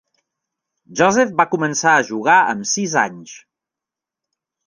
Joseph va començar a jugar amb sis anys.